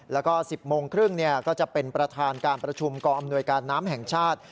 แล้วก็๑๐โมงครึ่งก็จะเป็นประธานการประชุมกองอำนวยการน้ำแห่งชาติ